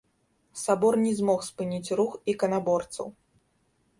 Сабор не змог спыніць рух іканаборцаў.